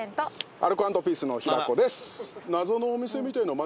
アルコ＆ピースの平子です。